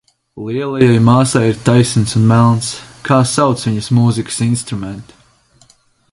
Lielajai māsai ir taisns un melns. Kā sauc viņas mūzikas instrumentu?